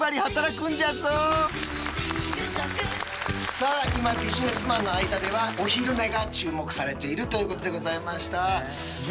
さあ今ビジネスマンの間ではお昼寝が注目されているということでございました。